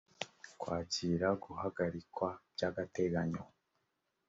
kwakira guhagarikwa by’agateganyo